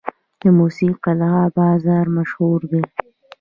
د موسی قلعه بازار مشهور دی